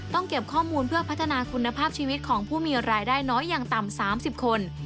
เก็บข้อมูลเพื่อพัฒนาคุณภาพชีวิตของผู้มีรายได้น้อยอย่างต่ำ๓๐คน